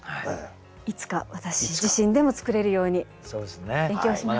いつか私自身でも作れるように勉強します。